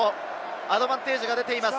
アドバンテージが出ています。